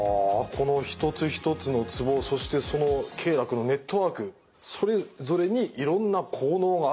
この一つ一つのツボそしてその経絡のネットワークそれぞれにいろんな効能があるってことなんですね？